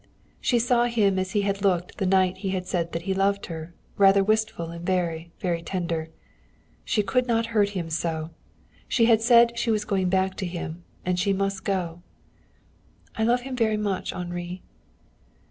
She saw him as he had looked the night he had said he loved her, rather wistful and very, very tender. She could not hurt him so. She had said she was going back to him, and she must go. "I love him very much, Henri."